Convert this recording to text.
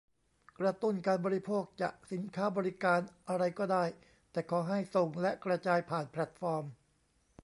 กระตุ้นการบริโภค จะสินค้าบริการอะไรก็ได้ แต่ขอให้ส่งและกระจายผ่านแพลตฟอร์ม